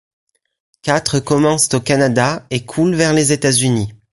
Quatre commencent au Canada et coulent vers les États-Unis.